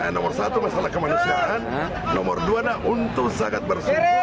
nomor satu masalah kemanusiaan nomor dua untuk sehakat bersih